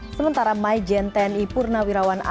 sementara mai jenteni purnawirawan arifudaya